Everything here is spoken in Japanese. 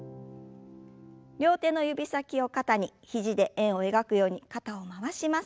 両手の指先を肩に肘で円を描くように肩を回します。